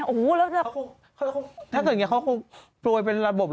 โอ้โฮแล้วแบบ